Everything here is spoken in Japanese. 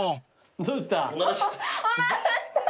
どうした？